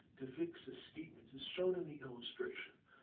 _] De Vick's escapement is shown in the illustration.